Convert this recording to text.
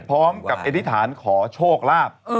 พร้อมกับเอธิฐานขอโชคลาบ